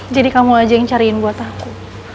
jadi kamu aja yang cariin buat aku